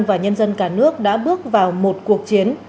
và nhân dân cả nước đã bước vào một cuộc chiến